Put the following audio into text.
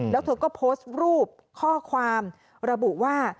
แล้วเธอก็โพสต์รูปข้อความระบุว่า